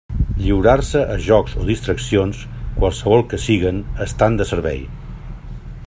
Lliurar-se a jocs o distraccions, qualssevol que siguen, estant de servei.